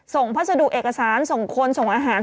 ส่งภาษาดูเอกสารส่งคนส่งอาหาร